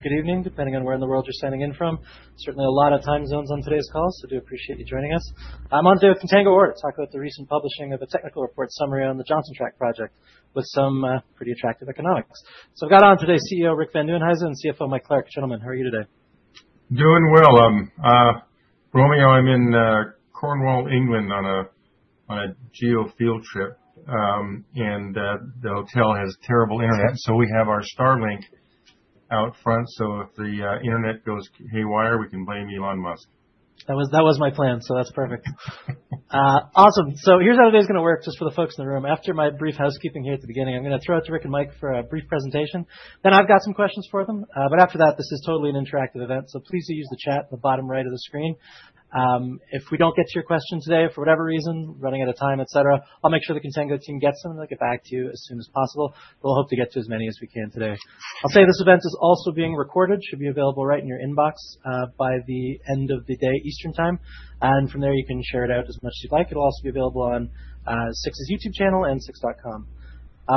Good evening, depending on where in the world you're signing in from. Certainly a lot of time zones on today's call, so I do appreciate you joining us. I'm on today with Contango ORE, to talk about the recent publishing of a technical report summary on the Johnson Tract Project, with some pretty attractive economics. So I've got on today CEO Rick Van Nieuwenhuyse and CFO Mike Clark. Gentlemen, how are you today? Doing well. Romeo, I'm in Cornwall, England, on a geo-field trip. And the hotel has terrible internet, so we have our Starlink out front. If the internet goes haywire, we can blame Elon Musk. That was my plan, so that's perfect. Awesome. Here's how today's going to work, just for the folks in the room. After my brief housekeeping here at the beginning, I'm going to throw it to Rick and Mike for a brief presentation. Then I've got some questions for them. After that, this is totally an interactive event, so please use the chat in the bottom right of the screen. If we don't get to your question today, for whatever reason, running out of time, et cetera, I'll make sure the Contango team gets them, and they'll get back to you as soon as possible. We'll hope to get to as many as we can today. I'll say this event is also being recorded, should be available right in your inbox by the end of the day, Eastern Time. From there, you can share it out as much as you'd like. It will also be available on 6ix's YouTube channel and 6ix.com.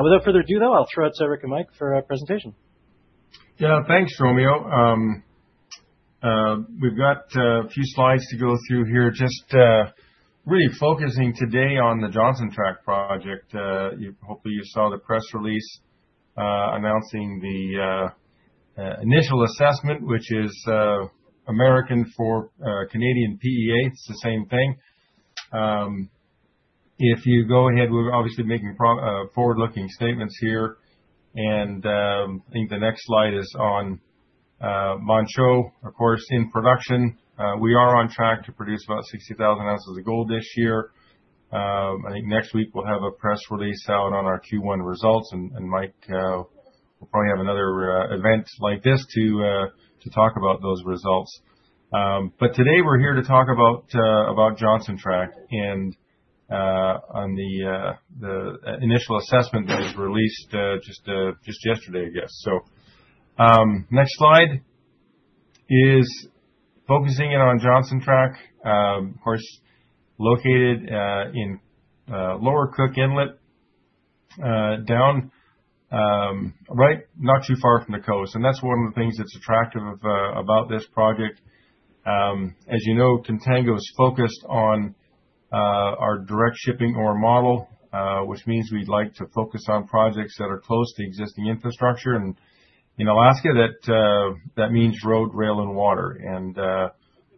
Without further ado, I will throw it to Rick and Mike for a presentation. Yeah, thanks, Romeo. We've got a few slides to go through here, just really focusing today on the Johnson Tract Project. Hopefully, you saw the press release announcing the Initial Assessment, which is American for Canadian PEA. It's the same thing. If you go ahead, we're obviously making forward-looking statements here. I think the next slide is on Manh Choh, of course, in production. We are on track to produce about 60,000 ounces of gold this year. I think next week, we'll have a press release out on our Q1 results. Mike, we'll probably have another event like this to talk about those results. Today, we're here to talk about Johnson Tract and on the Initial Assessment that was released just yesterday, I guess. The next slide is focusing in on Johnson Tract, of course, located in Lower Cook Inlet, down right, not too far from the coast. That's one of the things that's attractive about this project. As you know, Contango is focused on our Direct Shipping Ore model, which means we'd like to focus on projects that are close to existing infrastructure. In Alaska, that means road, rail, and water.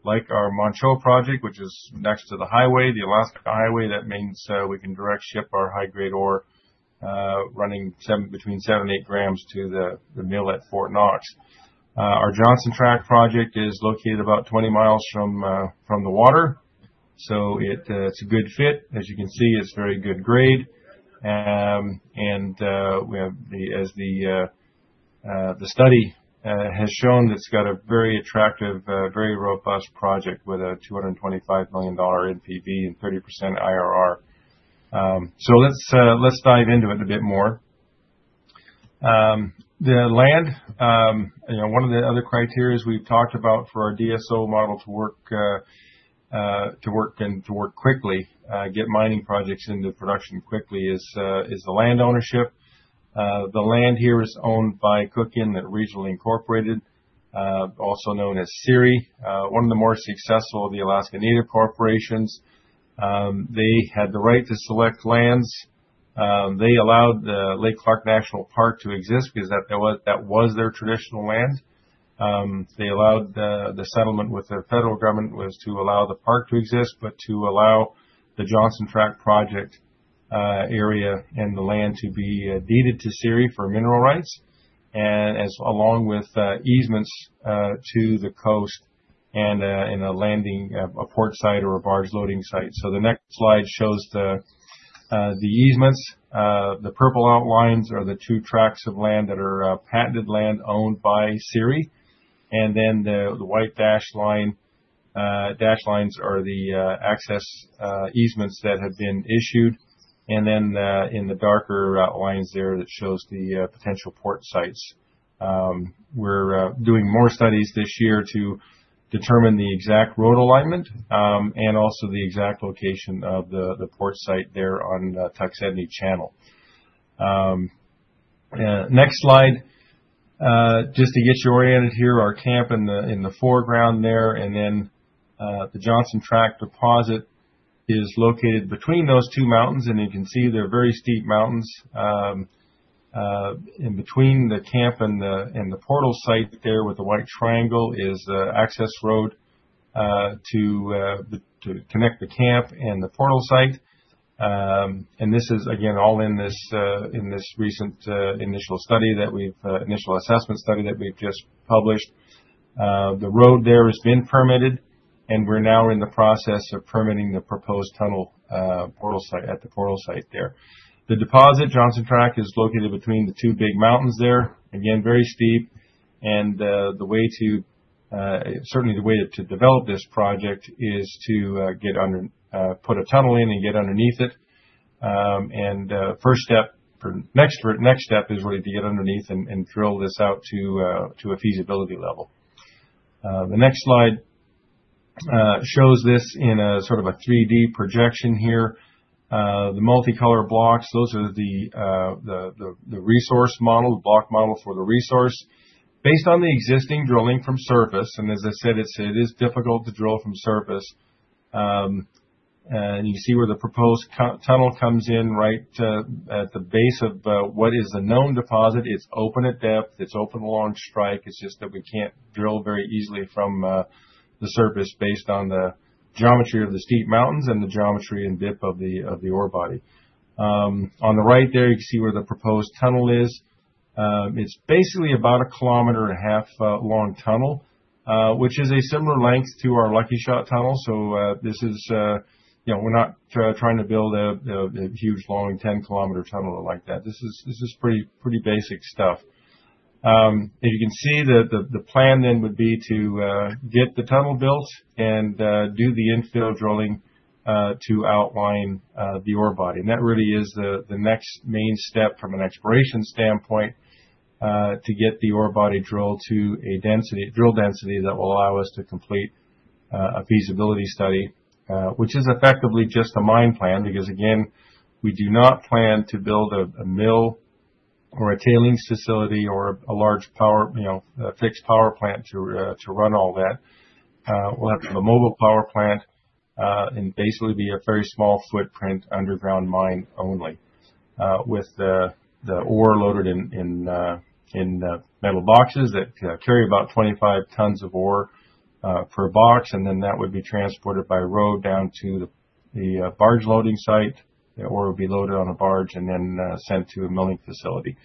Like our Manh Choh project, which is next to the highway, the Alaska Highway, that means we can direct ship our high-grade ore running between 7 grams to 8 grams to the mill at Fort Knox. Our Johnson Tract Project is located about 20 mi from the water. It's a good fit. As you can see, it's very good grade. As the study has shown, it's got a very attractive, very robust project with a $225 million NPV and 30% IRR. Let's dive into it a bit more. The land, one of the other criteria we've talked about for our DSO model to work and to work quickly, get mining projects into production quickly, is the land ownership. The land here is owned by Cook Inlet Regional, Inc., also known as CIRI, one of the more successful of the Alaska Native Corporations. They had the right to select lands. They allowed the Lake Clark National Park to exist because that was their traditional land. They allowed the settlement with the federal government was to allow the park to exist, but to allow the Johnson Tract Project area and the land to be deeded to CIRI for mineral rights, along with easements to the coast and a port site or a barge loading site. The next slide shows the easements. The purple outlines are the two tracts of land that are patented land owned by CIRI. The white dashed lines are the access easements that have been issued. In the darker outlines there, it shows the potential port sites. We are doing more studies this year to determine the exact road alignment and also the exact location of the port site there on Tuxedni Channel. Next slide, just to get you oriented here, our camp in the foreground there. The Johnson Tract deposit is located between those two mountains. You can see they are very steep mountains. In between the camp and the portal site there with the white triangle is access road to connect the camp and the portal site. This is, again, all in this recent Initial Study that we have Initial Assessment Study that we have just published. The road there has been permitted, and we're now in the process of permitting the proposed tunnel portal site at the portal site there. The deposit, Johnson Tract, is located between the two big mountains there. Again, very steep. The way to, certainly the way to develop this project is to put a tunnel in and get underneath it. First step, next step is really to get underneath and drill this out to a feasibility level. The next slide shows this in a sort of a 3D projection here. The multicolor blocks, those are the resource model, the block model for the resource. Based on the existing drilling from surface, and as I said, it is difficult to drill from surface. You see where the proposed tunnel comes in right at the base of what is the known deposit. It's open at depth. It's open along strike. It's just that we can't drill very easily from the surface based on the geometry of the steep mountains and the geometry and dip of the ore body. On the right there, you can see where the proposed tunnel is. It's basically about a kilometer and a half long tunnel, which is a similar length to our Lucky Shot tunnel. This is, we're not trying to build a huge long 10 km tunnel like that. This is pretty basic stuff. As you can see, the plan then would be to get the tunnel built and do the infill drilling to outline the ore body. That really is the next main step from an exploration standpoint to get the ore body drilled to a drill density that will allow us to complete a feasibility study, which is effectively just a mine plan, because, again, we do not plan to build a mill or a tailings facility or a large fixed power plant to run all that. We'll have to have a mobile power plant and basically be a very small footprint underground mine only, with the ore loaded in metal boxes that carry about 25 tons of ore per box. That would be transported by road down to the barge loading site. The ore will be loaded on a barge and then sent to a milling facility.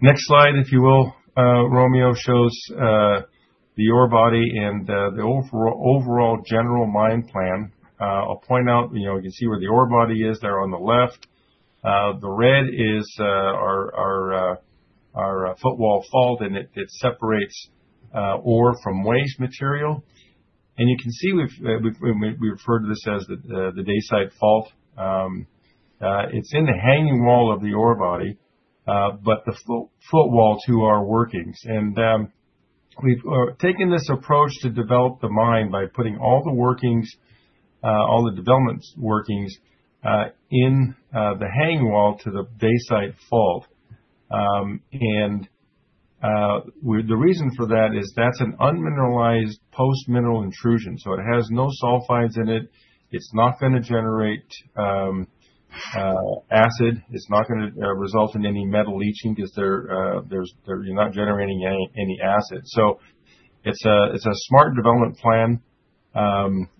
Next slide, if you will, Romeo, shows the ore body and the overall general mine plan. I'll point out, you can see where the ore body is there on the left. The red is our footwall fault, and it separates ore from waste material. You can see we refer to this as the Day-side fault. It's in the hanging wall of the ore body, but the footwall to our workings. We've taken this approach to develop the mine by putting all the workings, all the development workings, in the hanging wall to the Day-side fault. The reason for that is that's an unmineralized post-mineral intrusion. It has no sulfides in it. It's not going to generate acid. It's not going to result in any metal leaching because you're not generating any acid. It's a smart development plan.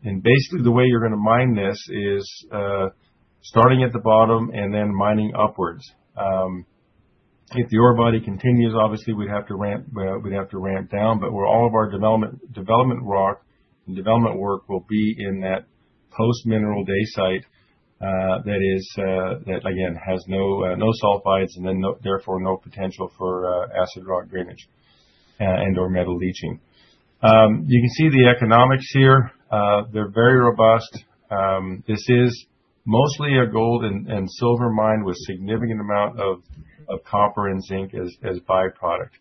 Basically, the way you're going to mine this is starting at the bottom and then mining upwards. If the ore body continues, obviously, we'd have to ramp down. All of our development rock and development work will be in that post-mineral Day-side that is, again, has no sulfides and, therefore, no potential for acid rock drainage and/or metal leaching. You can see the economics here. They're very robust. This is mostly a gold and silver mine with a significant amount of copper and zinc as byproduct.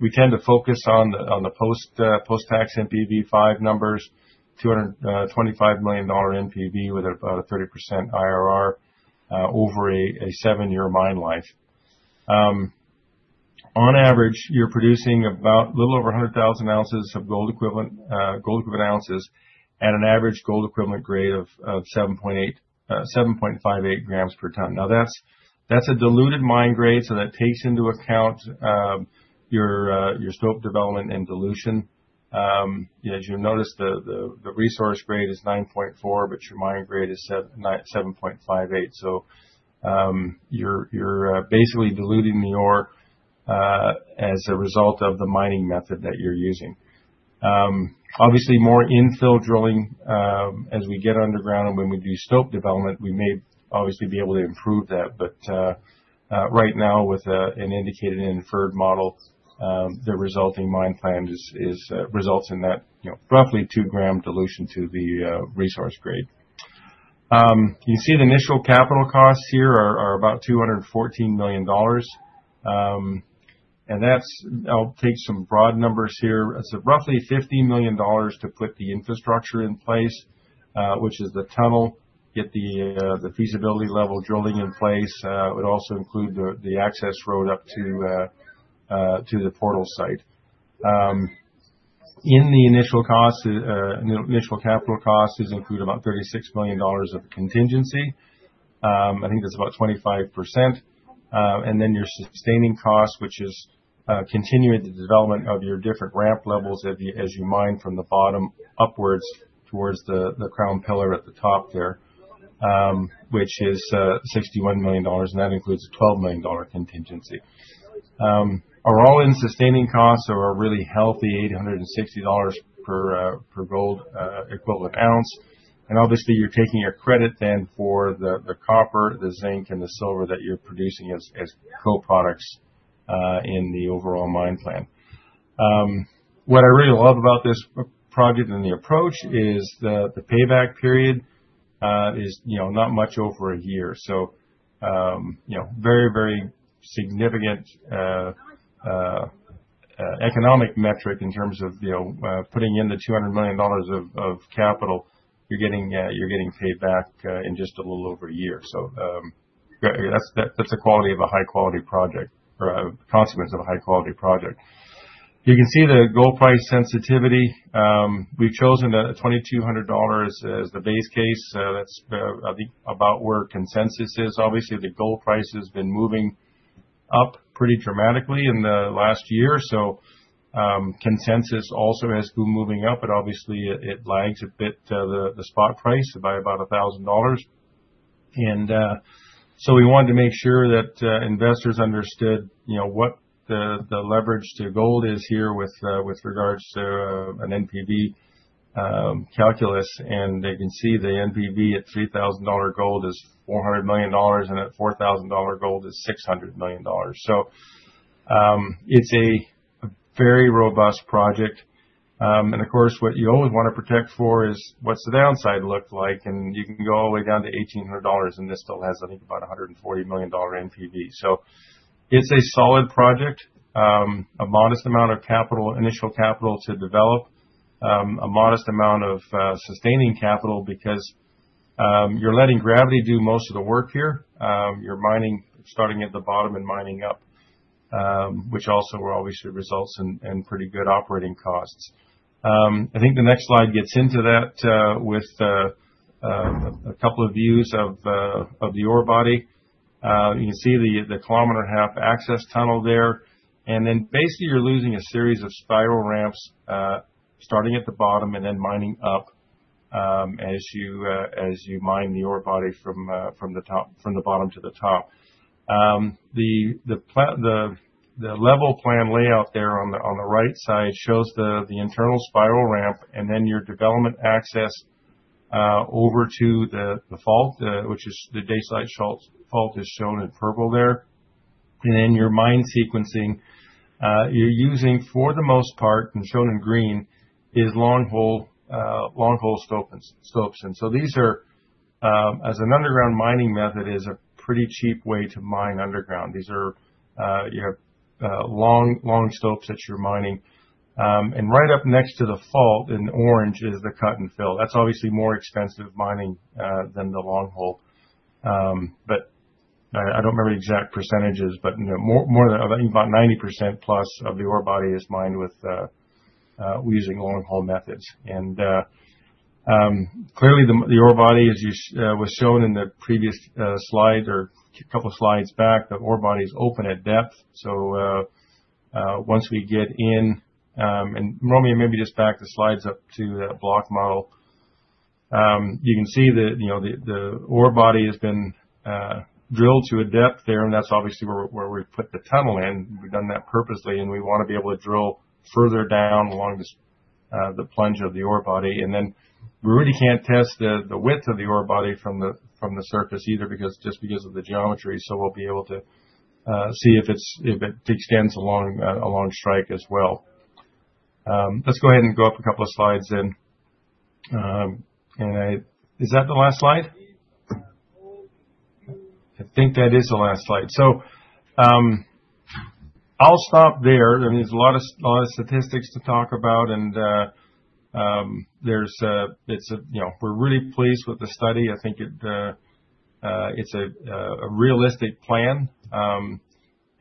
We tend to focus on the post-tax NPV5 numbers, $225 million NPV with about a 30% IRR over a seven-year mine life. On average, you're producing about a little over 100,000 ounces of gold equivalent ounces at an average gold equivalent grade of 7.58 grams per ton. Now, that's a diluted mine grade, so that takes into account your slope development and dilution. As you'll notice, the resource grade is 9.4, but your mine grade is 7.58. You're basically diluting the ore as a result of the mining method that you're using. Obviously, more infill drilling as we get underground and when we do slope development, we may obviously be able to improve that. Right now, with an indicated and inferred model, the resulting mine plan results in that roughly 2-gram dilution to the resource grade. You can see the initial capital costs here are about $214 million. That's, I'll take some broad numbers here. It's roughly $50 million to put the infrastructure in place, which is the tunnel, get the feasibility level drilling in place. It would also include the access road up to the portal site. In the initial costs, initial capital costs include about $36 million of contingency. I think that's about 25%. Your sustaining costs, which is continuing the development of your different ramp levels as you mine from the bottom upwards towards the crown pillar at the top there, which is $61 million. That includes a $12 million contingency. Our all-in sustaining costs are a really healthy $860 per gold equivalent ounce. Obviously, you're taking your credit then for the copper, the zinc, and the silver that you're producing as co-products in the overall mine plan. What I really love about this project and the approach is the payback period is not much over a year. Very, very significant economic metric in terms of putting in the $200 million of capital, you're getting paid back in just a little over a year. That's the quality of a high-quality project or a consequence of a high-quality project. You can see the gold price sensitivity. We've chosen $2,200 as the base case. That's about where consensus is. Obviously, the gold price has been moving up pretty dramatically in the last year. Consensus also has been moving up, but obviously, it lags a bit to the spot price by about $1,000. We wanted to make sure that investors understood what the leverage to gold is here with regards to an NPV calculus. They can see the NPV at $3,000 gold is $400 million, and at $4,000 gold is $600 million. It's a very robust project. Of course, what you always want to protect for is what's the downside look like. You can go all the way down to $1,800, and this still has, I think, about a $140 million NPV. It's a solid project, a modest amount of initial capital to develop, a modest amount of sustaining capital because you're letting gravity do most of the work here. You're mining, starting at the bottom and mining up, which also will obviously result in pretty good operating costs. I think the next slide gets into that with a couple of views of the ore body. You can see the kilometer and a half access tunnel there. And then basically, you're using a series of spiral ramps starting at the bottom and then mining up as you mine the ore body from the bottom to the top. The level plan layout there on the right side shows the internal spiral ramp, and then your development access over to the fault, which is the Day-side fault, is shown in purple there. Then your mine sequencing, you're using for the most part, and shown in green, is longhole stopes. These are, as an underground mining method, a pretty cheap way to mine underground. These are long stopes that you're mining. Right up next to the fault in orange is the cut and fill. That's obviously more expensive mining than the longhole. I don't remember the exact percentages, but more than about 90% plus of the ore body is mined using longhole methods. Clearly, the ore body, as was shown in the previous slide or a couple of slides back, the ore body is open at depth. Once we get in, and Romeo, maybe just back the slides up to that block model, you can see the ore body has been drilled to a depth there. That's obviously where we put the tunnel in. We've done that purposely, and we want to be able to drill further down along the plunge of the ore body. We really can't test the width of the ore body from the surface either just because of the geometry. We'll be able to see if it extends along strike as well. Let's go ahead and go up a couple of slides then. Is that the last slide? I think that is the last slide. I'll stop there. I mean, there's a lot of statistics to talk about, and we're really pleased with the study. I think it's a realistic plan.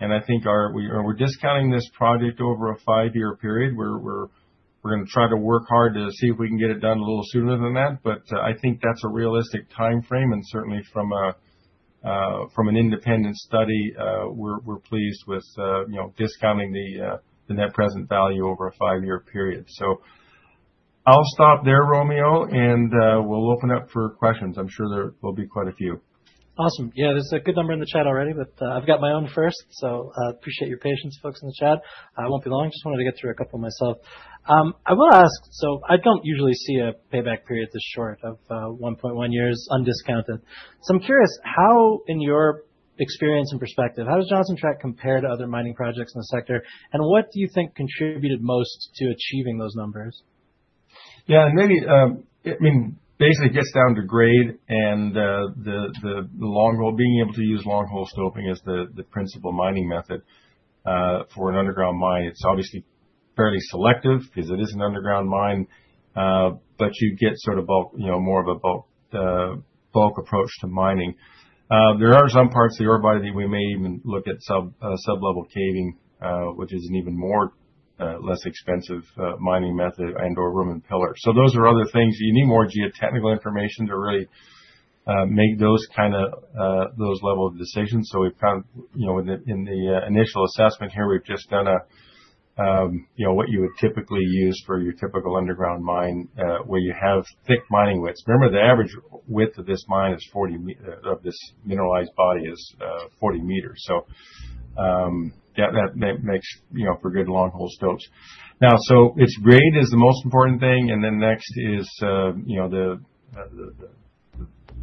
I think we're discounting this project over a five-year period. We're going to try to work hard to see if we can get it done a little sooner than that. I think that's a realistic time frame. Certainly, from an independent study, we're pleased with discounting the net present value over a five-year period. I'll stop there, Romeo, and we'll open up for questions. I'm sure there will be quite a few. Awesome. Yeah, there's a good number in the chat already, but I've got my own first. I appreciate your patience, folks in the chat. I won't be long. Just wanted to get through a couple myself. I will ask, I don't usually see a payback period this short of 1.1 years undiscounted. I'm curious, how in your experience and perspective, how does Johnson Tract compare to other mining projects in the sector? What do you think contributed most to achieving those numbers? Yeah, and maybe, I mean, basically it gets down to grade and the longhole, being able to use longhole stoping as the principal mining method for an underground mine. It's obviously fairly selective because it is an underground mine, but you get sort of more of a bulk approach to mining. There are some parts of the ore body that we may even look at sublevel caving, which is an even more less expensive mining method and/or room and pillar. So those are other things. You need more geotechnical information to really make those kind of those level of decisions. So we've kind of, in the Initial Assessment here, we've just done what you would typically use for your typical underground mine where you have thick mining widths. Remember, the average width of this mine is 40 of this mineralized body is 40 meters. That makes for good longhole stopes. Now, its grade is the most important thing. Then next is the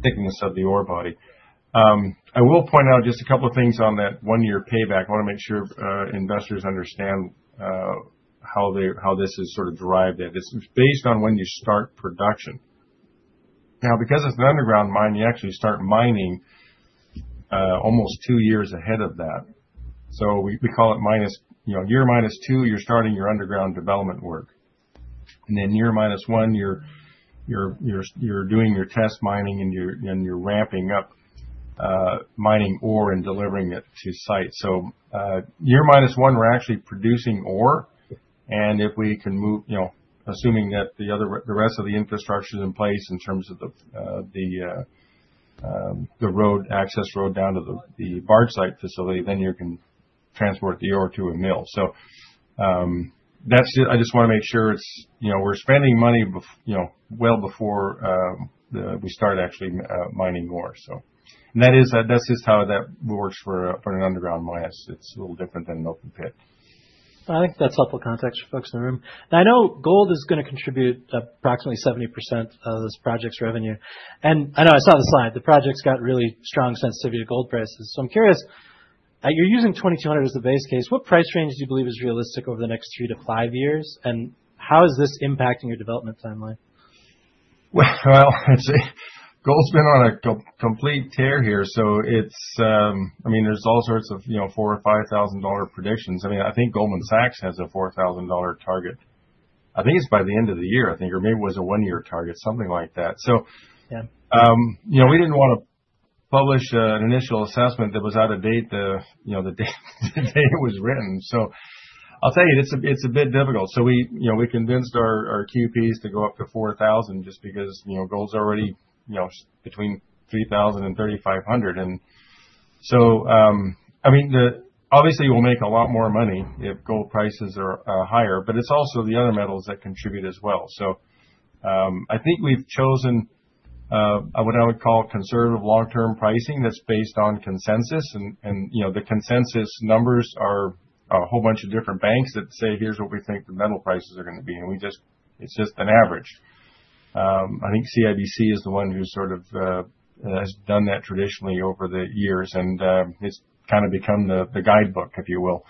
thickness of the ore body. I will point out just a couple of things on that one-year payback. I want to make sure investors understand how this is sort of derived, that it's based on when you start production. Now, because it's an underground mine, you actually start mining almost two years ahead of that. We call it year minus two, you're starting your underground development work. Then year minus one, you're doing your test mining and you're ramping up mining ore and delivering it to site. Year minus one, we're actually producing ore. If we can move, assuming that the rest of the infrastructure is in place in terms of the road, access road down to the barge site facility, then you can transport the ore to a mill. That is it. I just want to make sure we are spending money well before we start actually mining ore. That is just how that works for an underground mine. It is a little different than an open pit. I think that's helpful context for folks in the room. Now, I know gold is going to contribute approximately 70% of this project's revenue. I know I saw the slide. The project's got really strong sensitivity to gold prices. I'm curious, you're using $2,200 as the base case. What price range do you believe is realistic over the next three to five years? How is this impacting your development timeline? Gold's been on a complete tear here. I mean, there's all sorts of $4,000 or $5,000 predictions. I think Goldman Sachs has a $4,000 target. I think it's by the end of the year, or maybe it was a one-year target, something like that. We did not want to publish an Initial Assessment that was out of date the day it was written. I'll tell you, it's a bit difficult. We convinced our QPs to go up to $4,000 just because gold's already between $3,000 and $3,500. Obviously, we'll make a lot more money if gold prices are higher, but it's also the other metals that contribute as well. I think we've chosen what I would call conservative long-term pricing that's based on consensus. The consensus numbers are a whole bunch of different banks that say, "Here's what we think the metal prices are going to be." It is just an average. I think CIBC is the one who sort of has done that traditionally over the years, and it has kind of become the guidebook, if you will.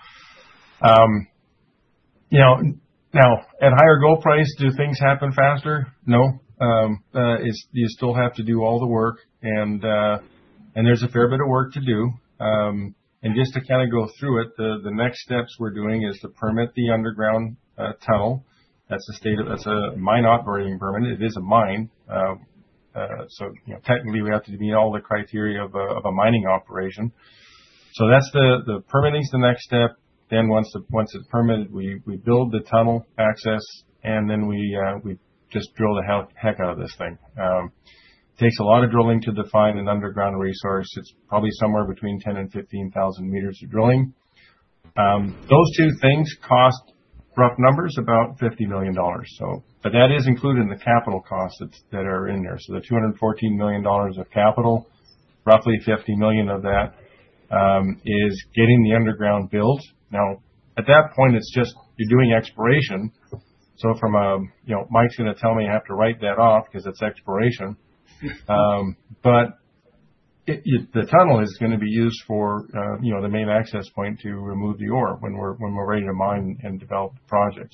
At higher gold price, do things happen faster? No. You still have to do all the work, and there is a fair bit of work to do. Just to kind of go through it, the next steps we are doing is to permit the underground tunnel. That is a mine operating permit. It is a mine. Technically, we have to meet all the criteria of a mining operation. The permitting is the next step. Once it is permitted, we build the tunnel access, and then we just drill the heck out of this thing. It takes a lot of drilling to define an underground resource. It's probably somewhere between 10,000 meters and 15,000 meters of drilling. Those two things cost, rough numbers, about $50 million. That is included in the capital costs that are in there. The $214 million of capital, roughly $50 million of that, is getting the underground built. At that point, it's just you're doing exploration. Mike's going to tell me I have to write that off because it's exploration. The tunnel is going to be used for the main access point to remove the ore when we're ready to mine and develop the project.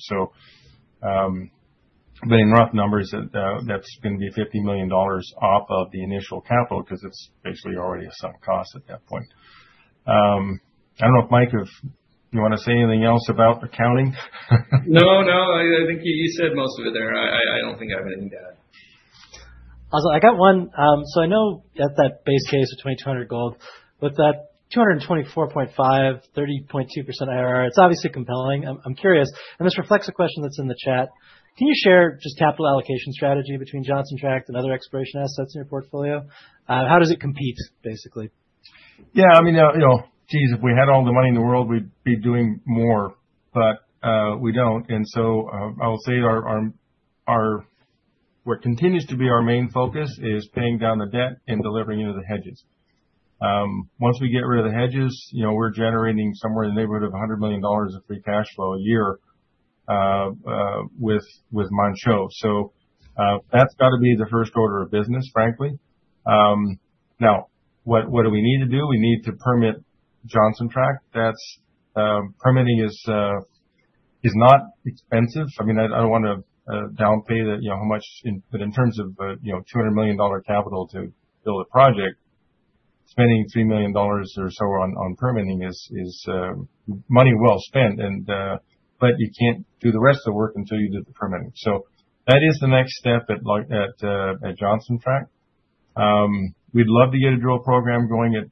In rough numbers, that's going to be $50 million off of the initial capital because it's basically already a sunk cost at that point. I don't know if Mike, do you want to say anything else about the counting? No, no. I think you said most of it there. I do not think I have anything to add. Awesome. I got one. I know at that base case of $2,200 gold, with that $224.5 million, 30.2% IRR, it's obviously compelling. I'm curious. This reflects a question that's in the chat. Can you share just capital allocation strategy between Johnson Tract and other exploration assets in your portfolio? How does it compete, basically? Yeah. I mean, geez, if we had all the money in the world, we'd be doing more, but we don't. I will say what continues to be our main focus is paying down the debt and delivering into the hedges. Once we get rid of the hedges, we're generating somewhere in the neighborhood of $100 million of free cash flow a year with Manh Choh. That has got to be the first order of business, frankly. Now, what do we need to do? We need to permit Johnson Tract. Permitting is not expensive. I mean, I do not want to downplay how much, but in terms of $200 million capital to build a project, spending $3 million or so on permitting is money well spent. You cannot do the rest of the work until you do the permitting. That is the next step at Johnson Tract. We'd love to get a drill program going at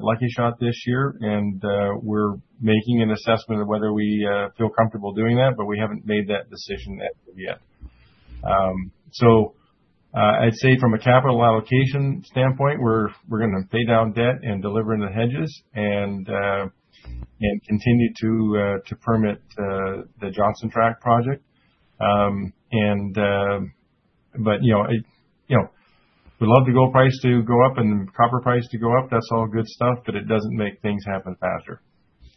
Lucky Shot this year, and we're making an assessment of whether we feel comfortable doing that, but we haven't made that decision yet. I'd say from a capital allocation standpoint, we're going to pay down debt and deliver into hedges and continue to permit the Johnson Tract project. We'd love the gold price to go up and the copper price to go up. That's all good stuff, but it doesn't make things happen faster.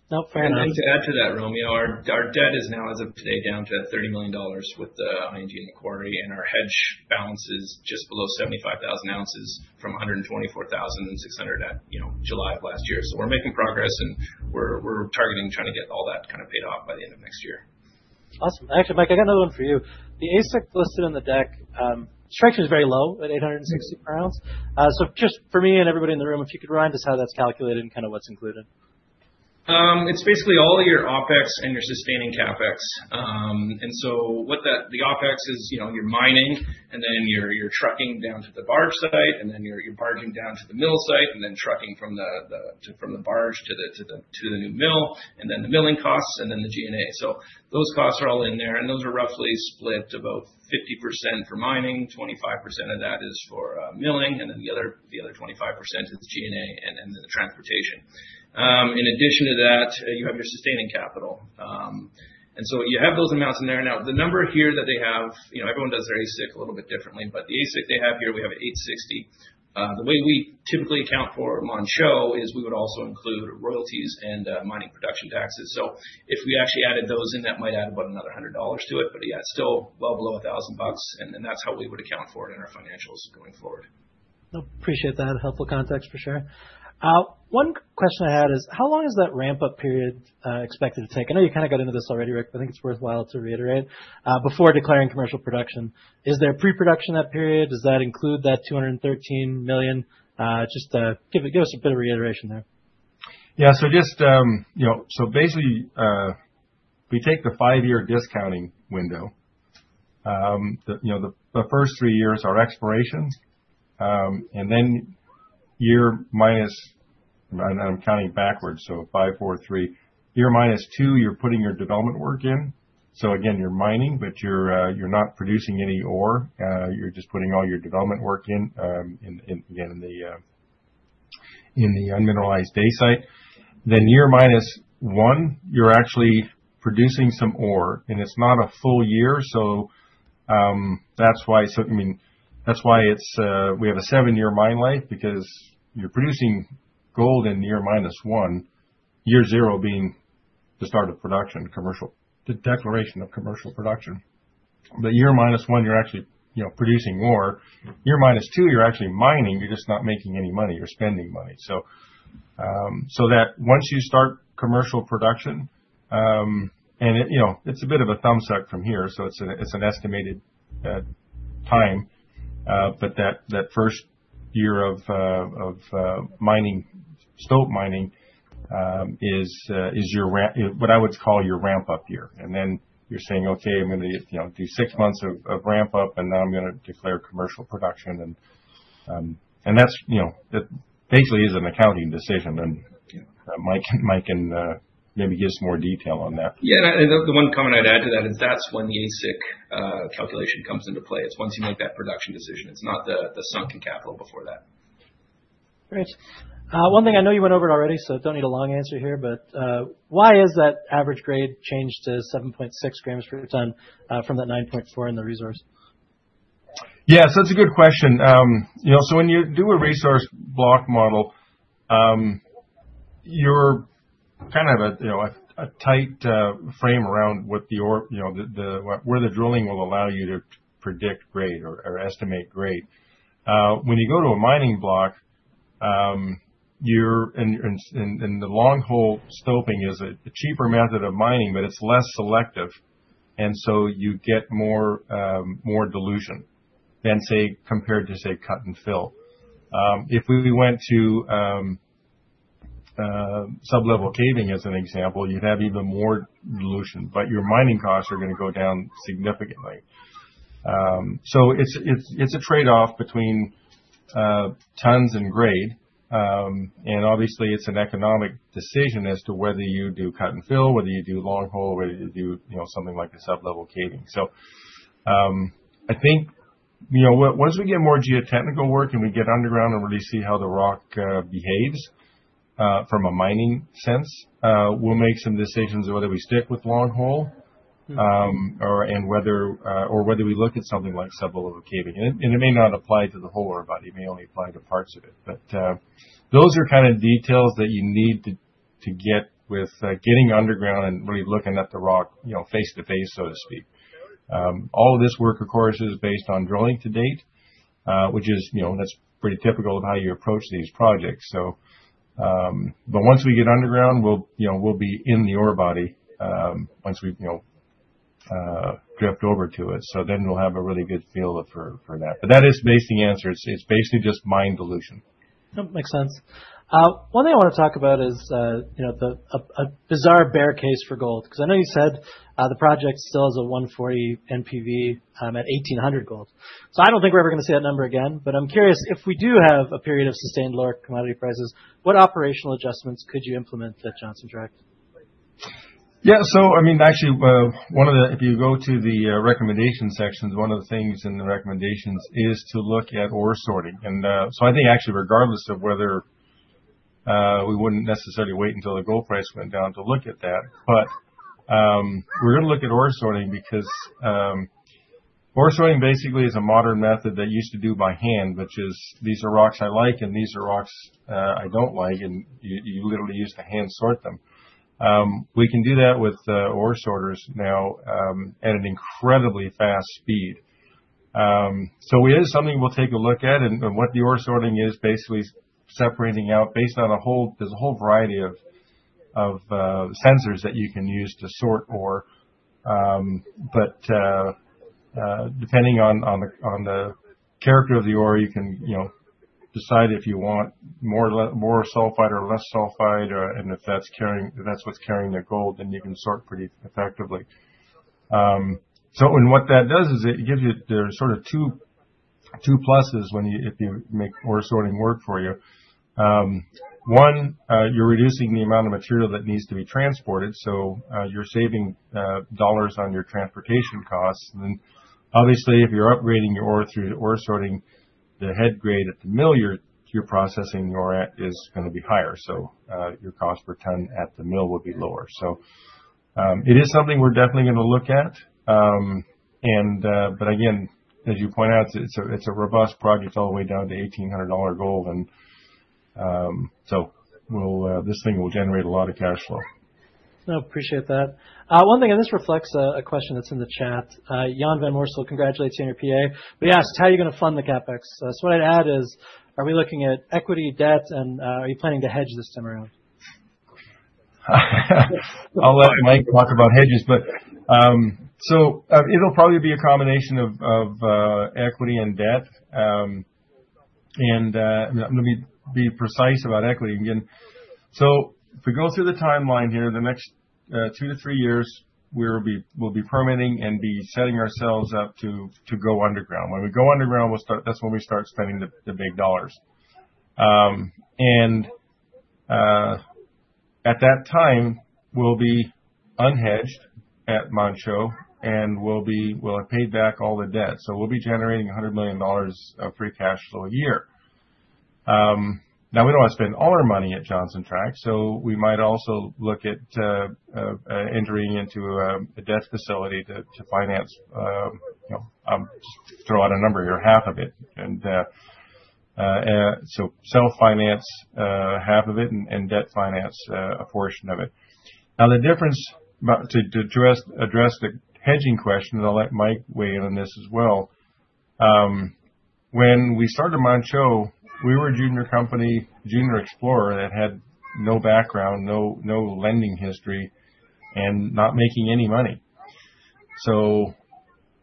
No, fair enough. I'd like to add to that, Romeo. Our debt is now, as of today, down to $30 million with ING and Macquarie, and our hedge balance is just below 75,000 ounces from 124,600 at July of last year. So we're making progress, and we're targeting trying to get all that kind of paid off by the end of next year. Awesome. Actually, Mike, I got another one for you. The AISC listed on the deck, strike is very low at $860 per ounce. Just for me and everybody in the room, if you could remind us how that's calculated and kind of what's included. It's basically all your OpEx and your sustaining CapEx. The OpEx is your mining, and then you're trucking down to the barge site, and then you're barging down to the mill site, and then trucking from the barge to the new mill, and then the milling costs, and then the G&A. Those costs are all in there. Those are roughly split to about 50% for mining, 25% of that is for milling, and then the other 25% is G&A, and then the transportation. In addition to that, you have your sustaining capital. You have those amounts in there. Now, the number here that they have, everyone does their AISC a little bit differently, but the AISC they have here, we have $860. The way we typically account for Manh Choh is we would also include royalties and mining production taxes. If we actually added those in, that might add about another $100 to it, but yeah, it's still well below $1,000. That's how we would account for it in our financials going forward. Appreciate that. Helpful context for sure. One question I had is, how long is that ramp-up period expected to take? I know you kind of got into this already, Rick, but I think it is worthwhile to reiterate. Before declaring commercial production, is there pre-production that period? Does that include that $213 million? Just give us a bit of reiteration there. Yeah. So basically, we take the five-year discounting window. The first three years are explorations, and then year minus, and I'm counting backwards, so 5, 4, 3. Year minus two, you're putting your development work in. So again, you're mining, but you're not producing any ore. You're just putting all your development work in, again, in the unmineralized Day-side. Then year minus one, you're actually producing some ore, and it's not a full year. That's why, I mean, that's why we have a seven-year mine life because you're producing gold in year minus one, year zero being the start of production, commercial, the declaration of commercial production. But year minus one, you're actually producing ore. Year minus two, you're actually mining. You're just not making any money. You're spending money. Once you start commercial production, and it's a bit of a thumbs-up from here, so it's an estimated time, but that first year of mining, stop mining is what I would call your ramp-up year. Then you're saying, "Okay, I'm going to do six months of ramp-up, and now I'm going to declare commercial production." That basically is an accounting decision. Mike can maybe give us more detail on that. Yeah. The one comment I'd add to that is that's when the AISC calculation comes into play. It's once you make that production decision. It's not the sunken capital before that. Rick, one thing I know you went over it already, so don't need a long answer here, but why is that average grade changed to 7.6 grams per ton from that 9.4 grams per ton in the resource? Yeah. So it's a good question. When you do a resource block model, you're kind of a tight frame around where the drilling will allow you to predict grade or estimate grade. When you go to a mining block, and the longhole stoping is a cheaper method of mining, but it's less selective. You get more dilution than, say, compared to, say, cut and fill. If we went to sublevel caving as an example, you'd have even more dilution, but your mining costs are going to go down significantly. It's a trade-off between tons and grade. Obviously, it's an economic decision as to whether you do cut and fill, whether you do longhole, whether you do something like a sublevel caving. I think once we get more geotechnical work and we get underground and really see how the rock behaves from a mining sense, we'll make some decisions of whether we stick with longhole or whether we look at something like sublevel caving. It may not apply to the whole ore body. It may only apply to parts of it. Those are kind of details that you need to get with getting underground and really looking at the rock face to face, so to speak. All of this work, of course, is based on drilling to date, which is pretty typical of how you approach these projects. Once we get underground, we'll be in the ore body once we've drift over to it. We will have a really good feel for that. That is basically the answer. It's basically just mine dilution. That makes sense. One thing I want to talk about is a bizarre bear case for gold. Because I know you said the project still has a $140 million NPV at $1,800 gold. I do not think we are ever going to see that number again. I am curious, if we do have a period of sustained lower commodity prices, what operational adjustments could you implement at Johnson Tract? Yeah. So I mean, actually, if you go to the recommendation sections, one of the things in the recommendations is to look at ore sorting. I think actually, regardless of whether we wouldn't necessarily wait until the gold price went down to look at that, but we're going to look at ore sorting because ore sorting basically is a modern method that used to do by hand, which is these are rocks I like, and these are rocks I do not like, and you literally used to hand sort them. We can do that with ore sorters now at an incredibly fast speed. It is something we will take a look at. What the ore sorting is basically separating out based on a whole, there is a whole variety of sensors that you can use to sort ore. Depending on the character of the ore, you can decide if you want more sulfide or less sulfide. If that's what's carrying the gold, then you can sort pretty effectively. What that does is it gives you sort of two pluses if you make ore sorting work for you. One, you're reducing the amount of material that needs to be transported, so you're saving dollars on your transportation costs. Obviously, if you're upgrading your ore through ore sorting, the head grade at the mill you're processing is going to be higher, so your cost per ton at the mill will be lower. It is something we're definitely going to look at. Again, as you point out, it's a robust project all the way down to $1,800 gold, and this thing will generate a lot of cash flow. I appreciate that. One thing, and this reflects a question that is in the chat. Jan Van Moorsel congratulates you on your PA. He asked, how are you going to fund the CapEx? What I would add is, are we looking at equity, debt, and are you planning to hedge this time around? I'll let Mike talk about hedges. It'll probably be a combination of equity and debt. I'm going to be precise about equity again. If we go through the timeline here, the next two to three years, we'll be permitting and be setting ourselves up to go underground. When we go underground, that's when we start spending the big dollars. At that time, we'll be unhedged at Manh Choh, and we'll have paid back all the debt. We'll be generating $100 million of free cash flow a year. We don't want to spend all our money at Johnson Tract, so we might also look at entering into a debt facility to finance, just to throw out a number here, half of it. We'll self-finance half of it and debt finance a portion of it. Now, the difference to address the hedging question, and I'll let Mike weigh in on this as well. When we started Manh Choh, we were a junior company, junior explorer that had no background, no lending history, and not making any money.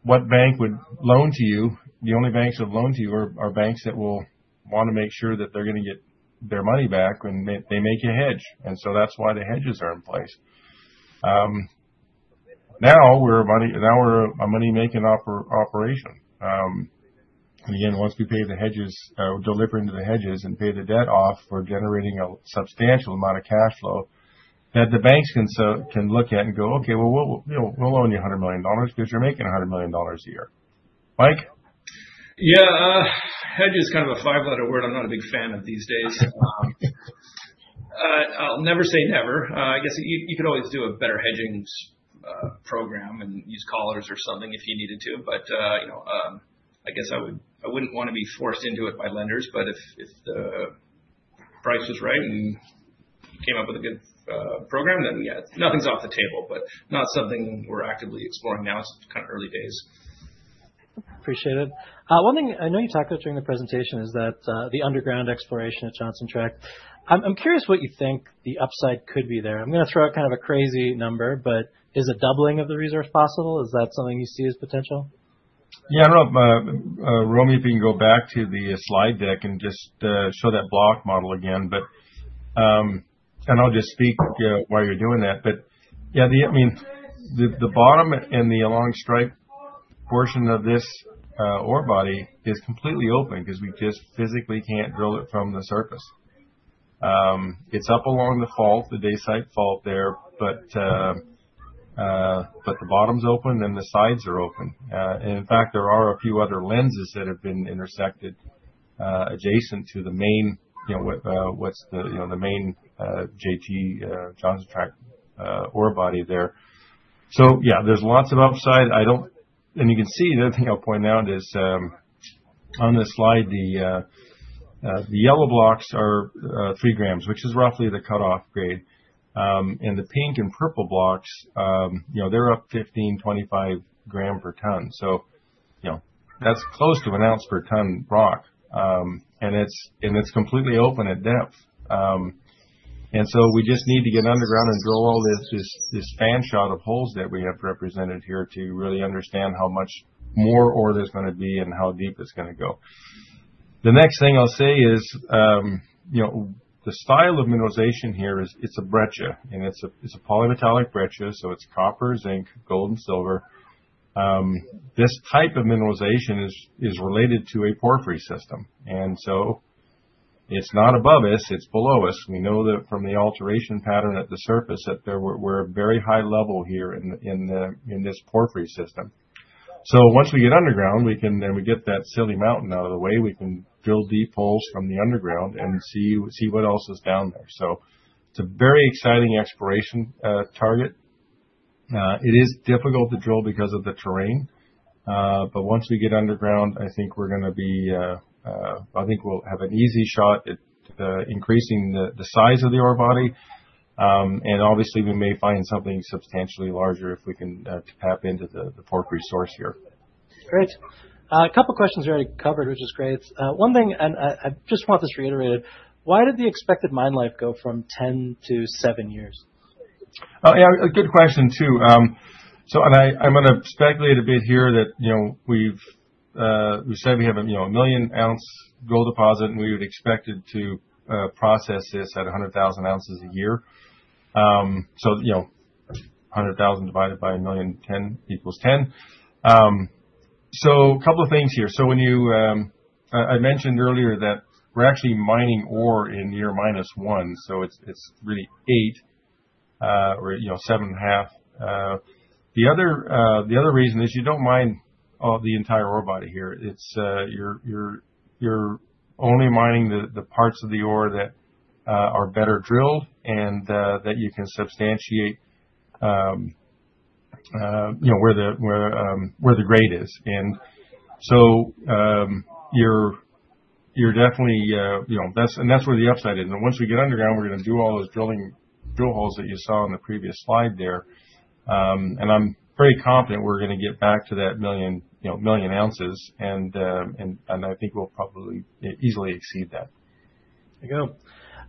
What bank would loan to you? The only banks that loan to you are banks that will want to make sure that they're going to get their money back when they make a hedge. That is why the hedges are in place. Now, we're a money-making operation. Once we pay the hedges, deliver into the hedges and pay the debt off, we're generating a substantial amount of cash flow that the banks can look at and go, "Okay, well, we'll loan you $100 million because you're making $100 million a year." Mike? Yeah. Hedge is kind of a five-letter word I'm not a big fan of these days. I'll never say never. I guess you could always do a better hedging program and use collars or something if you needed to. I guess I wouldn't want to be forced into it by lenders. If the price was right and came up with a good program, then yeah, nothing's off the table, but not something we're actively exploring now. It's kind of early days. Appreciate it. One thing I know you talked about during the presentation is the underground exploration at Johnson Tract. I'm curious what you think the upside could be there. I'm going to throw out kind of a crazy number, but is a doubling of the resource possible? Is that something you see as potential? Yeah. I do not know if Romeo can go back to the slide deck and just show that block model again. I will just speak while you are doing that. Yeah, I mean, the bottom and the along strike portion of this ore body is completely open because we just physically cannot drill it from the surface. It is up along the fault, the Day-side fault there, but the bottom is open and the sides are open. In fact, there are a few other lenses that have been intersected adjacent to the main, what is the main JT Johnson Tract ore body there. Yeah, there is lots of upside. You can see the other thing I will point out is on this slide, the yellow blocks are 3 grams, which is roughly the cutoff grade. The pink and purple blocks, they are up 15 grams per ton, 25 grams per ton. That is close to an ounce per ton rock. It is completely open at depth. We just need to get underground and drill all this fan shot of holes that we have represented here to really understand how much more ore there is going to be and how deep it is going to go. The next thing I will say is the style of mineralization here is it is a breccia. It is a polymetallic breccia. It is copper, zinc, gold, and silver. This type of mineralization is related to a porphyry system. It is not above us. It is below us. We know that from the alteration pattern at the surface that we are very high level here in this porphyry system. Once we get underground, then we get that silly mountain out of the way. We can drill deep holes from the underground and see what else is down there. It is a very exciting exploration target. It is difficult to drill because of the terrain. Once we get underground, I think we're going to be, I think we'll have an easy shot at increasing the size of the ore body. Obviously, we may find something substantially larger if we can tap into the porphyry source here. Great. A couple of questions we already covered, which is great. One thing, and I just want this reiterated, why did the expected mine life go from 10 years to 7 years? Yeah. Good question too. I'm going to speculate a bit here that we've said we have a million-ounce gold deposit, and we would expect to process this at 100,000 ounces a year. 100,000 divided by a million equals 10. A couple of things here. I mentioned earlier that we're actually mining ore in year minus one. It's really eight or seven and a half. The other reason is you don't mine the entire ore body here. You're only mining the parts of the ore that are better drilled and that you can substantiate where the grade is. That's where the upside is. Once we get underground, we're going to do all those drill holes that you saw on the previous slide there. I'm pretty confident we're going to get back to that million ounces. I think we'll probably easily exceed that.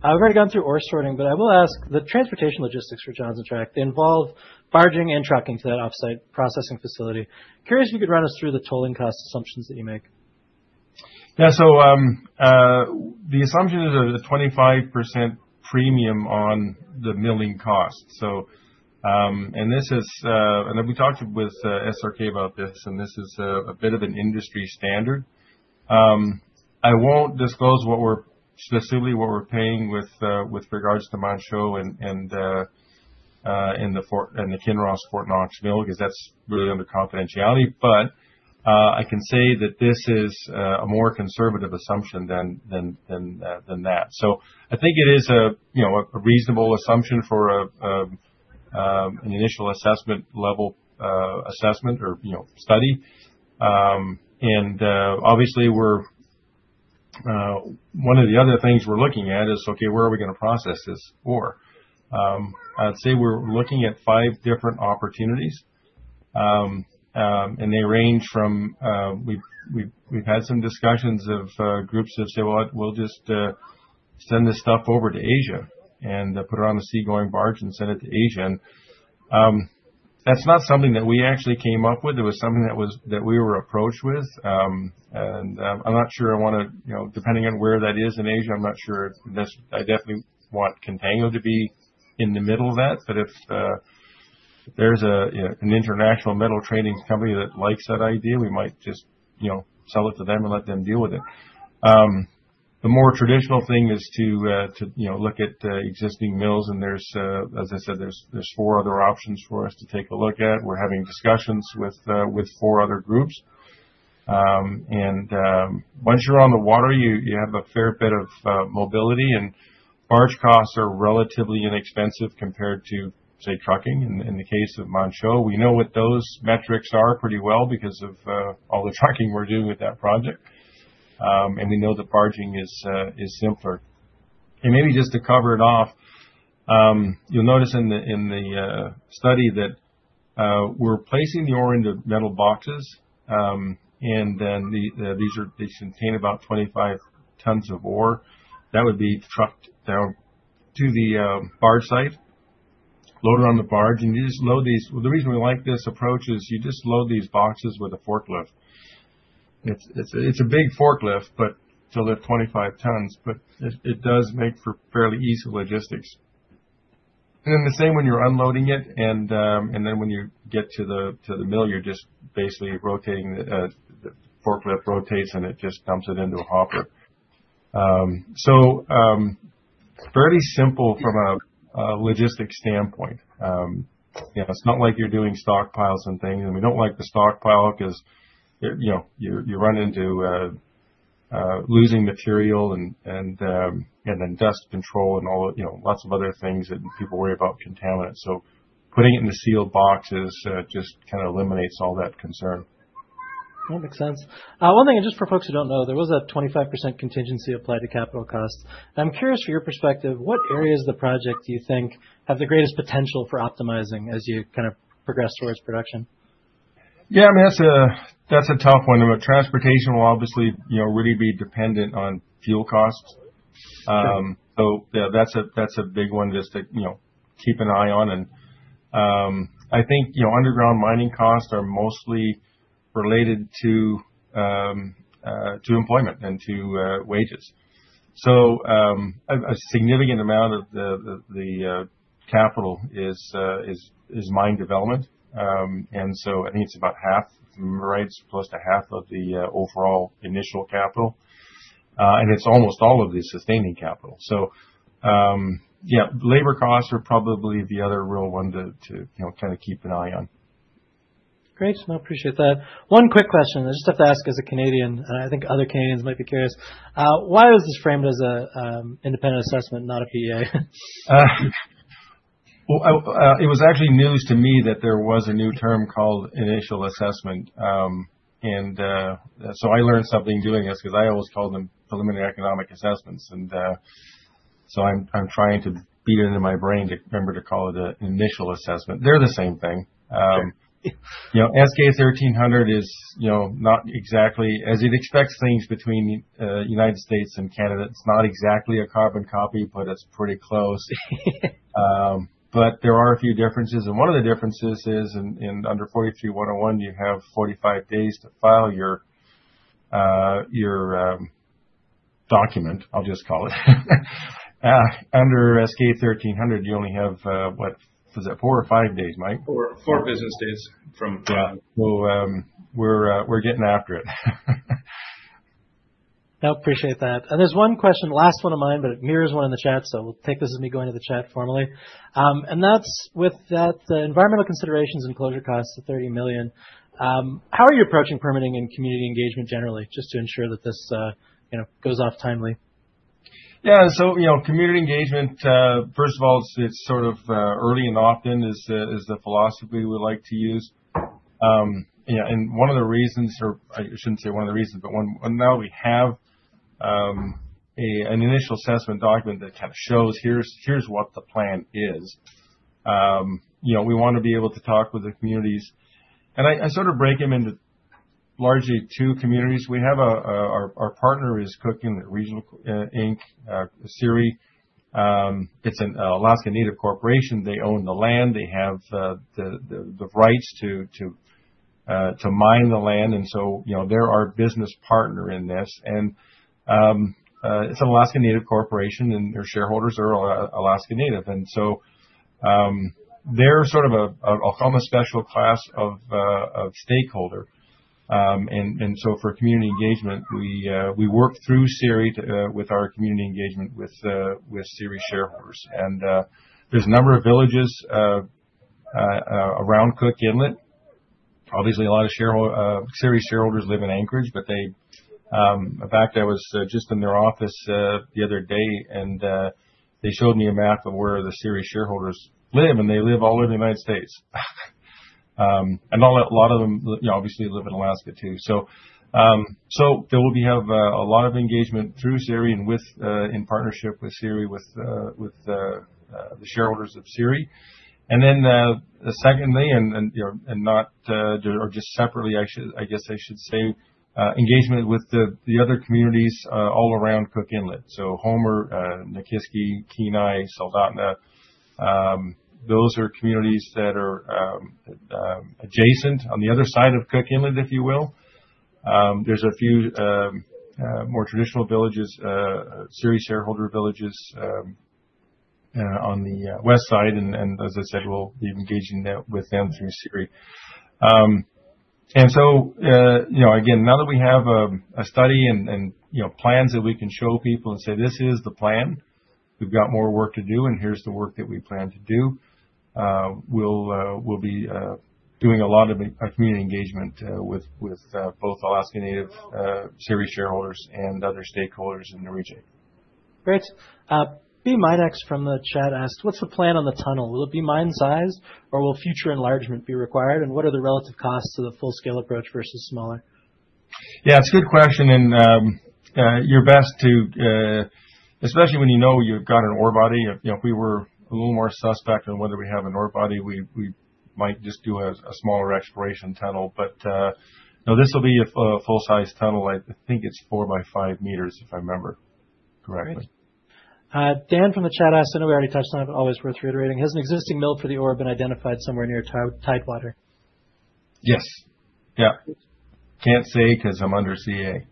There you go. We've already gone through ore sorting, but I will ask the transportation logistics for Johnson Tract. They involve barging and trucking to that off-site processing facility. Curious if you could run us through the tolling cost assumptions that you make? Yeah. So the assumption is a 25% premium on the milling cost. And we talked with SRK about this, and this is a bit of an industry standard. I will not disclose specifically what we are paying with regards to Manh Choh and the Kinross Fort Knox mill because that is really under confidentiality. But I can say that this is a more conservative assumption than that. So I think it is a reasonable assumption for an Initial Assessment level assessment or study. Obviously, one of the other things we are looking at is, okay, where are we going to process this ore? I would say we are looking at five different opportunities. They range from we have had some discussions of groups that say, "Well, we will just send this stuff over to Asia and put it on a seagoing barge and send it to Asia." That is not something that we actually came up with. It was something that we were approached with. I'm not sure I want to, depending on where that is in Asia, I'm not sure. I definitely want Contango to be in the middle of that. If there's an international metal trading company that likes that idea, we might just sell it to them and let them deal with it. The more traditional thing is to look at existing mills. As I said, there are four other options for us to take a look at. We're having discussions with four other groups. Once you're on the water, you have a fair bit of mobility. Barge costs are relatively inexpensive compared to, say, trucking. In the case of Manh Choh, we know what those metrics are pretty well because of all the trucking we're doing with that project. We know that barging is simpler. Maybe just to cover it off, you'll notice in the study that we're placing the ore into metal boxes. These contain about 25 tons of ore. That would be trucked to the barge site, loaded on the barge, and you just load these. The reason we like this approach is you just load these boxes with a forklift. It's a big forklift, but it's only 25 tons. It does make for fairly easy logistics. The same when you're unloading it. When you get to the mill, you're just basically rotating, the forklift rotates, and it just dumps it into a hopper. Fairly simple from a logistics standpoint. It's not like you're doing stockpiles and things. We do not like the stockpile because you run into losing material and then dust control and lots of other things. People worry about contaminants. Putting it in the sealed boxes just kind of eliminates all that concern. That makes sense. One thing, and just for folks who do not know, there was a 25% contingency applied to capital costs. I am curious from your perspective, what areas of the project do you think have the greatest potential for optimizing as you kind of progress towards production? Yeah. I mean, that's a tough one. Transportation will obviously really be dependent on fuel costs. Yeah, that's a big one just to keep an eye on. I think underground mining costs are mostly related to employment and to wages. A significant amount of the capital is mine development. I think it's about half, right? It's close to half of the overall initial capital. It's almost all of the sustaining capital. Yeah, labor costs are probably the other real one to kind of keep an eye on. Great. I appreciate that. One quick question. I just have to ask as a Canadian, and I think other Canadians might be curious. Why was this framed as an Independent Assessment, not a PEA? It was actually news to me that there was a new term called Initial Assessment. I learned something doing this because I always called them Preliminary Economic Assessments. I am trying to beat it into my brain to remember to call it an Initial Assessment. They are the same thing. S-K 1300 is not exactly as it expects things between the United States and Canada. It is not exactly a carbon copy, but it is pretty close. There are a few differences. One of the differences is in under 43-101, you have 45 days to file your document, I will just call it. Under S-K 1300, you only have, what? Was it four or five days, Mike? Four business days from. Yeah. So we're getting after it. I appreciate that. There is one question, last one of mine, but it mirrors one in the chat. We will take this as me going to the chat formally. That is, with that environmental considerations and closure costs of $30 million, how are you approaching permitting and community engagement generally, just to ensure that this goes off timely? Yeah. Community engagement, first of all, it's sort of early and often is the philosophy we like to use. One of the reasons, or I shouldn't say one of the reasons, but now we have an Initial Assessment document that kind of shows, "Here's what the plan is." We want to be able to talk with the communities. I sort of break them into largely two communities. Our partner is Cook Inlet Regional, Inc., CIRI. It's an Alaska Native Corporation. They own the land. They have the rights to mine the land. They're our business partner in this. It's an Alaska Native Corporation, and their shareholders are Alaska Native. They're sort of a special class of stakeholder. For community engagement, we work through CIRI with our community engagement with CIRI shareholders. There's a number of villages around Cook Inlet. Obviously, a lot of CIRI shareholders live in Anchorage, but the fact I was just in their office the other day, and they showed me a map of where the CIRI shareholders live, and they live all over the United States. A lot of them obviously live in Alaska too. We have a lot of engagement through CIRI and in partnership with CIRI with the shareholders of CIRI. Secondly, and not just separately, I guess I should say, engagement with the other communities all around Cook Inlet. Homer, Nikiski, Kenai, Soldotna, those are communities that are adjacent on the other side of Cook Inlet, if you will. There are a few more traditional villages, CIRI shareholder villages on the west side. As I said, we will be engaging with them through CIRI. Now that we have a study and plans that we can show people and say, "This is the plan. We've got more work to do, and here's the work that we plan to do," we'll be doing a lot of community engagement with both Alaska Native CIRI shareholders and other stakeholders in the region. Great. B. Midex from the chat asked, "What's the plan on the tunnel? Will it be mine-sized or will future enlargement be required? And what are the relative costs of the full-scale approach versus smaller? Yeah. It's a good question. You're best to, especially when you know you've got an ore body, if we were a little more suspect on whether we have an ore body, we might just do a smaller exploration tunnel. This will be a full-size tunnel. I think it's 4 meters by 5 meters, if I remember correctly. Thank you. Dan from the chat asked, "I know we already touched on it, but always worth reiterating. Has an existing mill for the ore been identified somewhere near Tidewater? Yes. Yeah. Can't say because I'm under CA.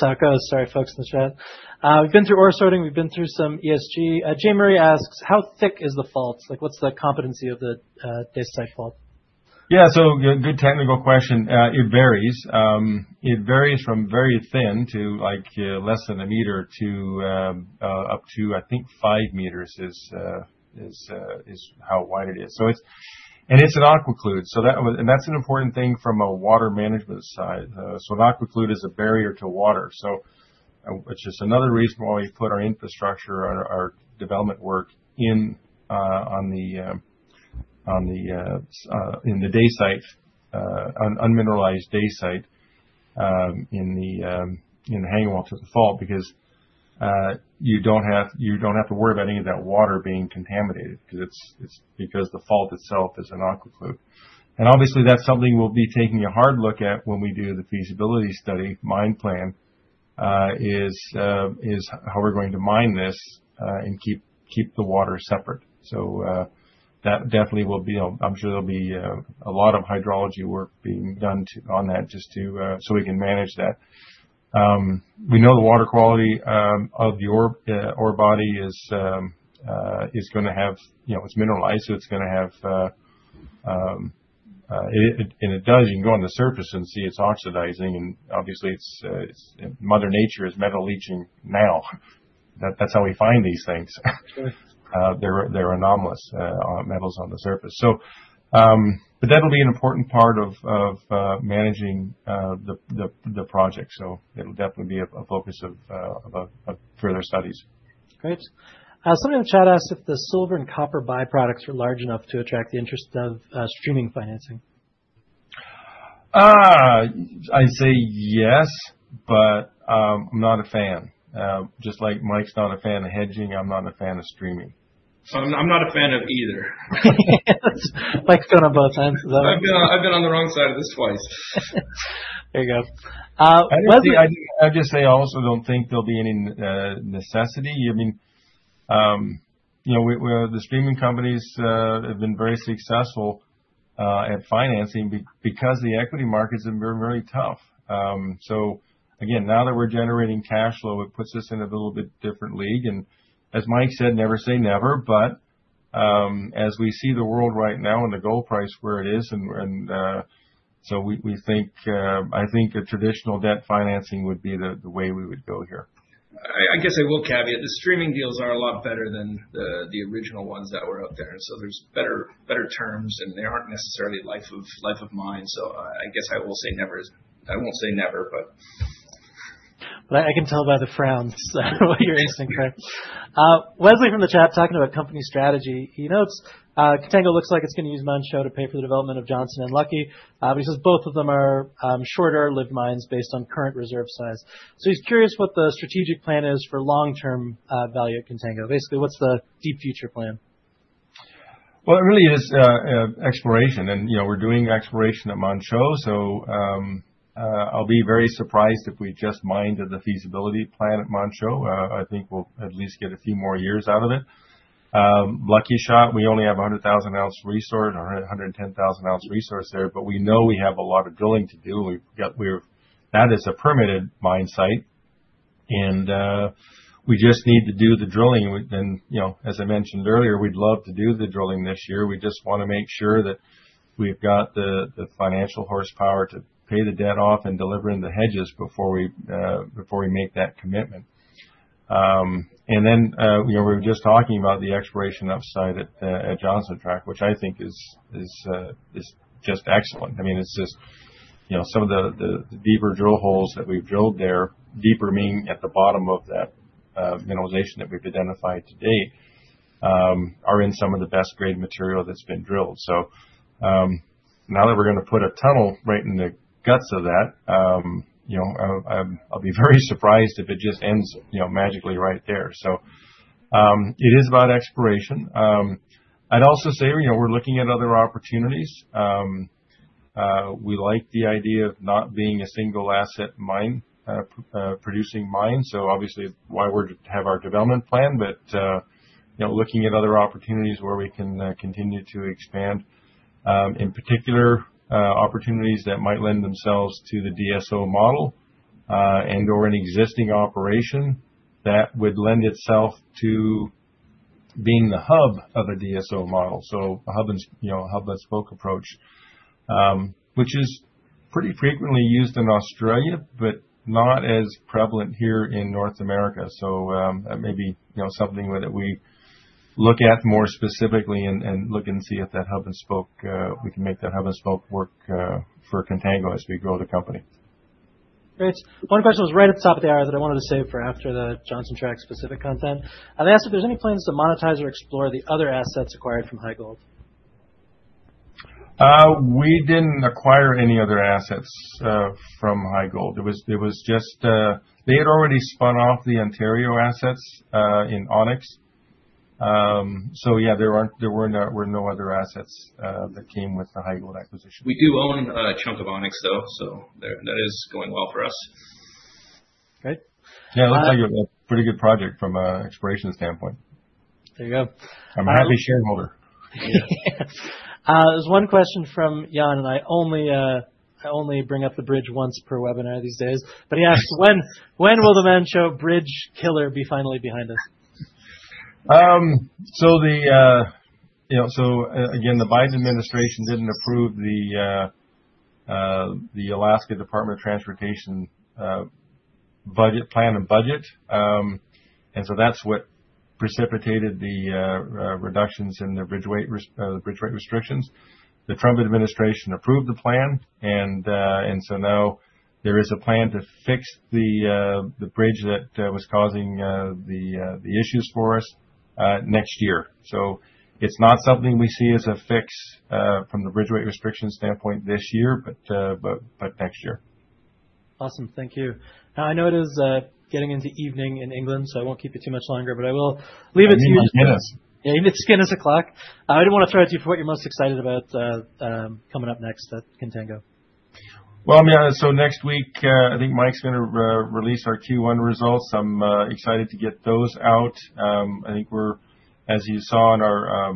Succo. Sorry, folks in the chat. We've been through ore sorting. We've been through some ESG. J. Murray asks, "How thick is the fault? What's the competency of the Day-side fault? Yeah. Good technical question. It varies. It varies from very thin to less than 1 meter to up to, I think, 5 meters is how wide it is. And it's an aquiclude. That's an important thing from a water management side. An aquiclude is a barrier to water. It's just another reason why we put our infrastructure, our development work on the Day-side, unmineralized Day-side in the hanging walls of the fault because you do not have to worry about any of that water being contaminated because the fault itself is an aquiclude. Obviously, that's something we'll be taking a hard look at when we do the feasibility study, mine plan, is how we're going to mine this and keep the water separate. That definitely will be, I'm sure there'll be a lot of hydrology work being done on that just so we can manage that. We know the water quality of the ore body is going to have, it's mineralized, so it's going to have, and it does. You can go on the surface and see it's oxidizing. Obviously, Mother Nature is metal leaching now. That's how we find these things. They're anomalous metals on the surface. That'll be an important part of managing the project. It'll definitely be a focus of further studies. Great. Somebody in the chat asked if the silver and copper byproducts were large enough to attract the interest of streaming financing? I'd say yes, but I'm not a fan. Just like Mike's not a fan of hedging, I'm not a fan of streaming. I'm not a fan of either. Mike's going on both sides. I've been on the wrong side of this twice. There you go. I'd just say I also don't think there'll be any necessity. I mean, the streaming companies have been very successful at financing because the equity markets have been very tough. Again, now that we're generating cash flow, it puts us in a little bit different league. And as Mike said, never say never. As we see the world right now and the gold price where it is, I think traditional debt financing would be the way we would go here. I guess I will caveat. The streaming deals are a lot better than the original ones that were out there. There are better terms, and they are not necessarily life of mine. I guess I will say never. I will not say never, but. I can tell by the frowns what you're interested in. Wesley from the chat talking about company strategy. He notes, "Contango looks like it's going to use Manh Choh to pay for the development of Johnson and Lucky." He says both of them are shorter lived mines based on current reserve size. He is curious what the strategic plan is for long-term value at Contango. Basically, what's the deep future plan? It really is exploration. We are doing exploration at Manh Choh. I will be very surprised if we just mine to the feasibility plan at Manh Choh. I think we will at least get a few more years out of it. Lucky Shot, we only have a 100,000-ounce resource, 110,000-ounce resource there. We know we have a lot of drilling to do. That is a permitted mine site. We just need to do the drilling. As I mentioned earlier, we would love to do the drilling this year. We just want to make sure that we have the financial horsepower to pay the debt off and deliver in the hedges before we make that commitment. We were just talking about the exploration upside at Johnson Tract, which I think is just excellent. I mean, it's just some of the deeper drill holes that we've drilled there, deeper meaning at the bottom of that mineralization that we've identified to date, are in some of the best grade material that's been drilled. Now that we're going to put a tunnel right in the guts of that, I'll be very surprised if it just ends magically right there. It is about exploration. I'd also say we're looking at other opportunities. We like the idea of not being a single asset producing mine. Obviously, why wouldn't we have our development plan? Looking at other opportunities where we can continue to expand, in particular opportunities that might lend themselves to the DSO model and/or an existing operation that would lend itself to being the hub of a DSO model. A hub-and-spoke approach, which is pretty frequently used in Australia, but not as prevalent here in North America. Maybe something that we look at more specifically and look and see if that hub-and-spoke, we can make that hub-and-spoke work for Contango as we grow the company. Great. One question was right at the top of the hour that I wanted to save for after the Johnson Tract specific content. They asked if there's any plans to monetize or explore the other assets acquired from HighGold? We didn't acquire any other assets from HighGold. It was just they had already spun off the Ontario assets in Onyx. Yeah, there were no other assets that came with the HighGold acquisition. We do own a chunk of Onyx, though. So that is going well for us. Yeah. It looks like a pretty good project from an exploration standpoint. There you go. I'm a happy shareholder. There's one question from Jan, and I only bring up the bridge once per webinar these days. He asked, when will the Manh Choh bridge killer be finally behind us? Again, the Biden administration did not approve the Alaska Department of Transportation plan and budget. That is what precipitated the reductions in the bridge weight restrictions. The Trump administration approved the plan. Now there is a plan to fix the bridge that was causing the issues for us next year. It is not something we see as a fix from the bridge weight restriction standpoint this year, but next year. Awesome. Thank you. Now, I know it is getting into evening in England, so I won't keep you too much longer, but I will leave it to you. Skin is. Yeah. You need to skin us a clock. I didn't want to throw at you for what you're most excited about coming up next at Contango. I mean, next week, I think Mike's going to release our Q1 results. I'm excited to get those out. I think we're, as you saw in our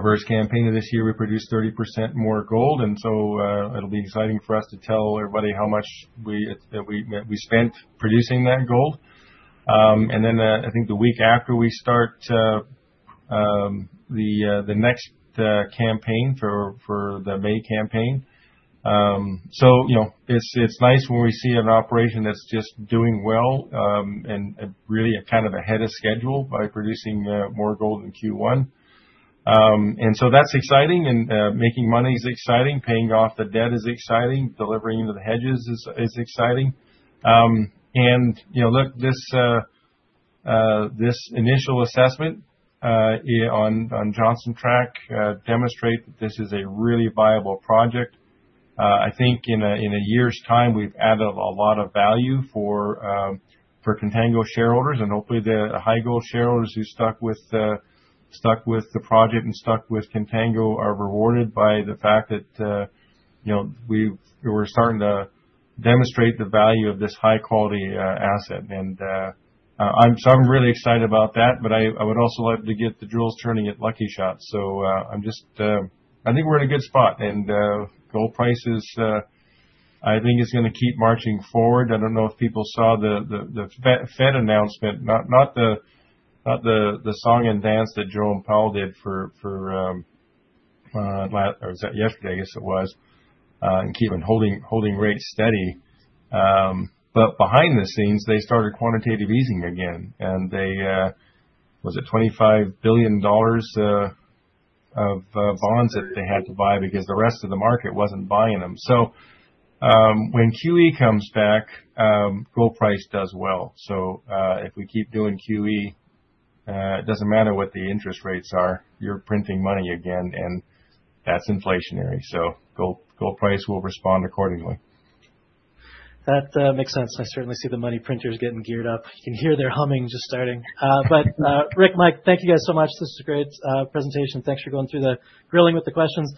first campaign of this year, we produced 30% more gold. It will be exciting for us to tell everybody how much we spent producing that gold. I think the week after, we start the next campaign for the May campaign. It is nice when we see an operation that's just doing well and really kind of ahead of schedule by producing more gold in Q1. That is exciting. Making money is exciting. Paying off the debt is exciting. Delivering into the hedges is exciting. Look, this Initial Assessment on Johnson Tract demonstrates that this is a really viable project. I think in a year's time, we've added a lot of value for Contango shareholders. Hopefully, the HighGold shareholders who stuck with the project and stuck with Contango are rewarded by the fact that we're starting to demonstrate the value of this high-quality asset. I am really excited about that. I would also like to get the drills turning at Lucky Shot. I think we're in a good spot. Gold prices, I think, are going to keep marching forward. I do not know if people saw the Fed announcement, not the song and dance that Jerome Powell did for yesterday, I guess it was, and keeping holding rates steady. Behind the scenes, they started quantitative easing again. Was it $25 billion of bonds that they had to buy because the rest of the market was not buying them? When QE comes back, gold price does well. If we keep doing QE, it doesn't matter what the interest rates are. You're printing money again, and that's inflationary. Gold price will respond accordingly. That makes sense. I certainly see the money printers getting geared up. You can hear their humming just starting. Rick, Mike, thank you guys so much. This was a great presentation. Thanks for going through the drilling with the questions.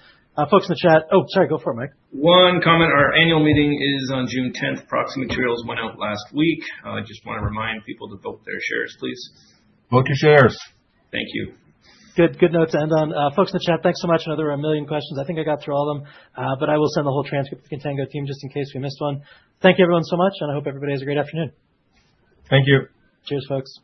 Folks in the chat, oh, sorry, go for it, Mike. One comment. Our annual meeting is on June 10. Proxy materials went out last week. I just want to remind people to vote their shares, please. Vote your shares. Thank you. Good note to end on. Folks in the chat, thanks so much. Another million questions. I think I got through all of them. I will send the whole transcript to the Contango team just in case we missed one. Thank you, everyone, so much. I hope everybody has a great afternoon. Thank you. Cheers, folks.